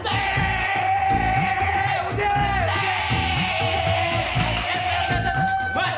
dari dulu kamu kan nanti mau